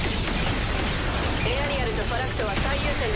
エアリアルとファラクトは最優先でたたく。